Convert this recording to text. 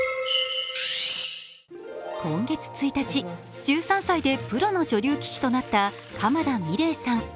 今月１日、１３歳でプロの女流棋士となった鎌田美礼さん。